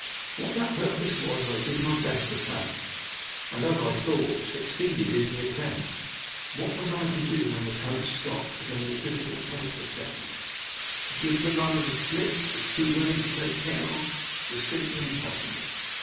What that purpose was I did my best to fathom, and, as I thought, succeeded in the attempt. What I was to do when the coach stopped was a more difficult point to settle. To give the runner the slip, with two women to take care of, was simply impossible.